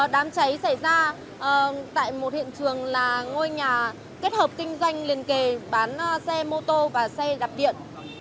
đám cháy xảy ra tại một hiện trường là ngôi nhà kết hợp kinh doanh liên kề bán xe mô tô và xe đạp điện